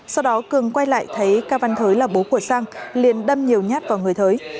sau đó cường quay lại thấy ca văn thới là bố của sang liền đâm nhiều nhát vào người thới